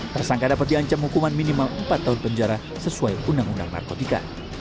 tersangka dapat diancam hukuman minimal empat tahun penjara sesuai undang undang narkotika